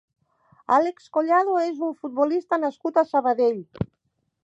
Álex Collado és un futbolista nascut a Sabadell.